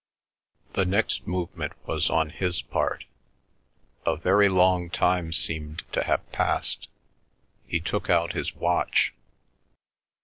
The next movement was on his part. A very long time seemed to have passed. He took out his watch.